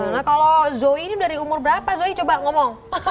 nah kalau zoe ini dari umur berapa zoy coba ngomong